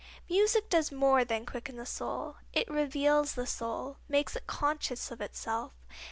Music does more than quicken the soul; it reveals the soul, makes it conscious of itself.